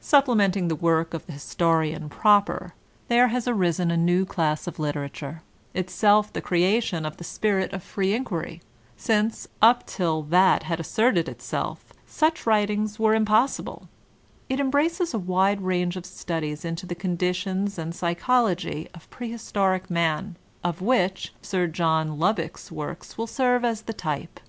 Supplementing the work of the historian proper, there has arisen a new class of literature, itself the creation of the spirit of free inquiry, since, up till that had as serted itself, such writings were impossible; it embraces a wide range of studies into the conditions and psychology of prehistoric Man, of which Sir John Lubbock's works will serve as the type.